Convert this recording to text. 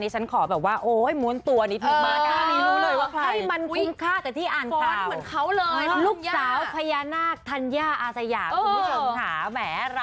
นี่ฉันขอแบบว่าโอ้ยม้วนตัวนี้ถึงมาก